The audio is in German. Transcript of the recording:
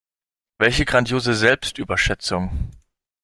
Welch grandiose Selbstüberschätzung.